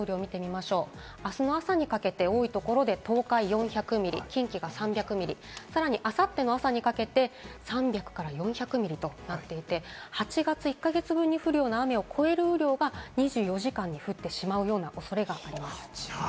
あすの朝にかけて多いところで東海４００ミリ、近畿３００ミリ、さらにあさっての朝にかけて３００ミリから４００ミリとなっていて、８月１か月分に降るような雨を超える量が２４時間に降ってしまうような恐れがあります。